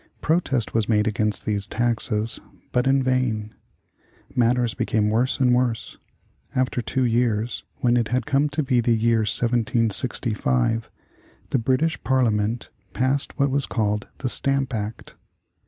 Protest was made against these taxes, but in vain. Matters became worse and worse. After two years, when it had come to be the year 1765, the British Parliament passed what was called the Stamp Act.